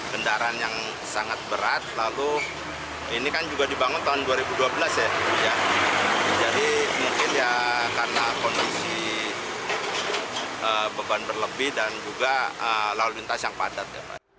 beban berlebih dan juga lalu lintas yang padat